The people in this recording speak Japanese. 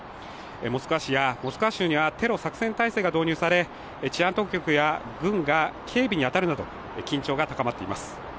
モスクワ市やモスクワ州にはテロ作戦体制が導入され、治安当局や軍が警備に当たるなど、緊張が高まっています。